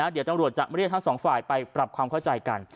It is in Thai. เดี๋ยวตำรวจจะเรียกทั้งสองฝ่ายไปปรับความเข้าใจกัน